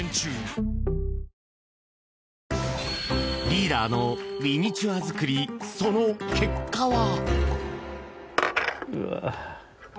リーダーのミニチュア作りその結果は。